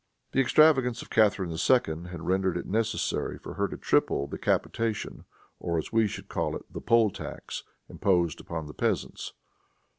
The extravagance of Catharine II. had rendered it necessary for her to triple the capitation, or, as we should call it, the poll tax, imposed upon the peasants.